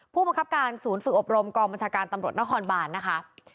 ผู้บังคับการศูนย์ฝึกอบรมกองบัญชาการตำรวจนครบานนะคะ